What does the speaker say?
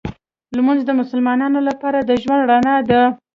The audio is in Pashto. لمونځ د مسلمان لپاره د ژوند رڼا ده